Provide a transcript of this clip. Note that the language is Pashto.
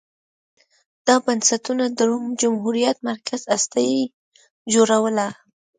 دا بنسټونه د روم جمهوریت مرکزي هسته یې جوړوله